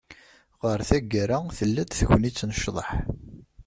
Ɣer taggara, tella-d tegnit n ccḍeḥ.